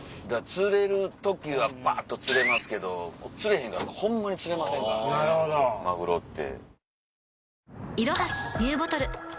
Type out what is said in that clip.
釣れる時はばっと釣れますけど釣れへんかったらホンマに釣れませんからねマグロって。